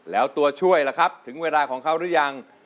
แล้วตัวช่วยล่ะครับถึงเวลาของเขาหรือยัง